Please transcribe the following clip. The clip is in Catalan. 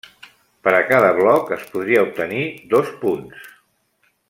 Per a cada bloc es podria obtenir dos punts.